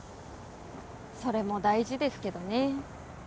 それも大事ですけどね。